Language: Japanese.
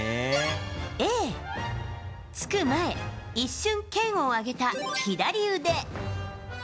Ａ、突く前一瞬剣を上げた左腕。